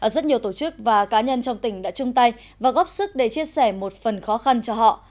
rất nhiều tổ chức và cá nhân trong tỉnh đã chung tay và góp sức để chia sẻ một phần khó khăn cho họ